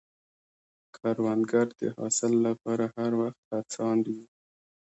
کروندګر د حاصل له پاره هر وخت هڅاند وي